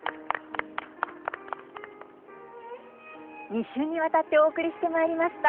２週にわたってお送りしてまいりました